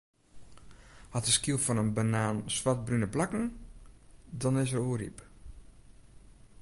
Hat de skyl fan 'e banaan swartbrune plakken, dan is er oerryp.